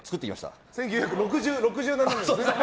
１９６７年です。